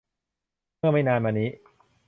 เมื่อไม่นานมานี้